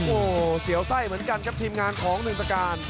โอ้โหเสียวไส้เหมือนกันครับทีมงานของหนึ่งประการ